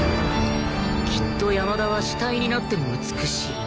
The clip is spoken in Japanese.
きっと山田は死体になっても美しい